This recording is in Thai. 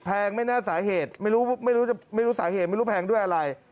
แพงไม่น่าสาเหตุไม่รู้สาเหตุไม่รู้แพงด้วยอะไร